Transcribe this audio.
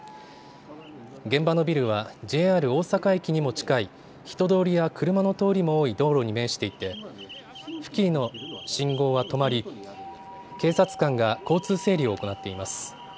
現場のビルはＪＲ大阪駅にも近い人通りや車の通りも多い道路に面していて付近の信号は止まり警察官が交通整理を行っています。